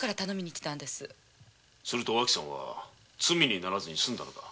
するとおあきさんは罪にならずにすんだのだ。